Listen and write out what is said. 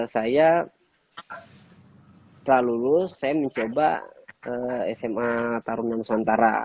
saya setelah lulus saya mencoba sma tarunan nusantara